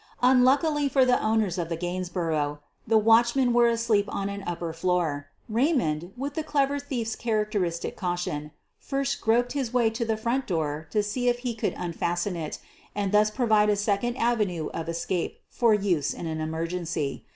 Unluckily for the owners of the Gainsborough, the watchmen were* asleep on &«* upper floor. Ray mond, with the clever thief's characteristic caution, first groped his way to the front door to see if he could unfasten it and thus provide a second avenue of escape for use in an emergency.